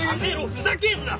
ふざけんな！